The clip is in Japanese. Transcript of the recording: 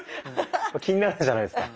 気になるじゃないですか。